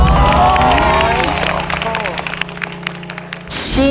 ผิดนะครับ